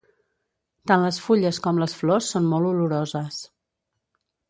Tant les fulles com les flors són molt oloroses.